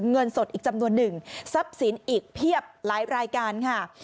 เงินสดอีกจำนวนหนึ่งทรัพย์สินอีกเพียบหลายรายการค่ะ